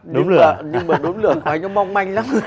nhưng mà đốm lửa của anh nó mong manh lắm